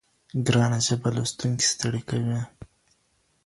ګرانه ژبه لوستونکی ستړی کوي.